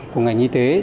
của ngành y tế